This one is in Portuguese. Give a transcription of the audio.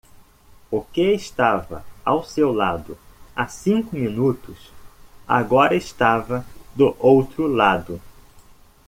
O que estava ao seu lado há cinco minutos agora estava do outro lado.